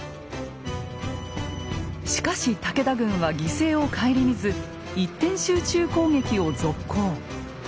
しかし武田軍は犠牲を顧みず一点集中攻撃を続行。